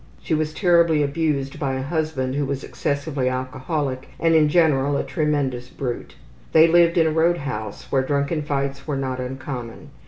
She was terribly abused by a husband who was excessively alcoholic and in general a tremendous brute. They lived in a roadhouse where drunken fights were not uncommon.